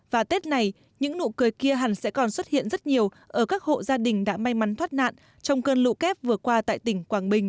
và tết này những nụ cười kia hẳn sẽ còn xuất hiện rất nhiều ở các hộ gia đình đã may mắn thoát nạn trong cơn lũ kép vừa qua tại tỉnh quảng bình